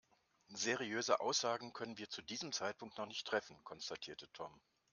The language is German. Seriöse Aussagen können wir zu diesem Zeitpunkt noch nicht treffen, konstatierte Tom.